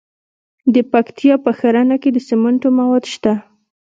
د پکتیکا په ښرنه کې د سمنټو مواد شته.